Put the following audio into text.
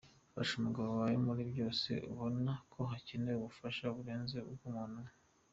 Fasha umugabo wawe muri byose ubona ko hakenewe ubufasha burenze ubw’umuntu umwe.